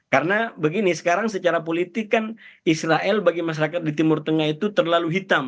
karena begini sekarang secara politik kan israel bagi masyarakat di timur tengah itu terlalu hitam